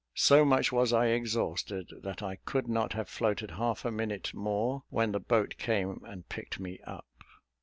So much was I exhausted, that I could not have floated half a minute more, when the boat came and picked me up.